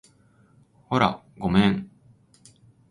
ほら、ごめん